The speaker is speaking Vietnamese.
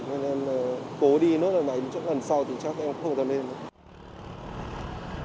nên em cố đi nữa là mấy chút lần sau thì chắc em không dần lên nữa